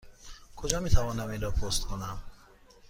کجا می توانم این را پست کنم؟